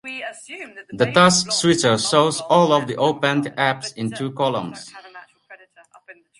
The task switcher shows all of the opened apps in two columns.